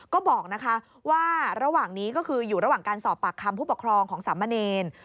ก็บอกนะคะว่าระหว่างนี้ก็คืออยู่ระหว่างการสอบปากคำผู้ปกครองของสามเณร